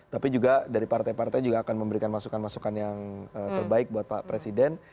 tapi juga dari partai partai juga akan memberikan masukan masukan yang terbaik buat pak presiden